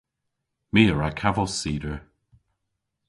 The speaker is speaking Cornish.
My a wra kavos cider.